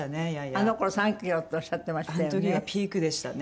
あの頃３キロっておっしゃってましたよね。